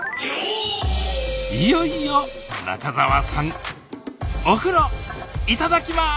いよいよ中澤さんお風呂いただきます！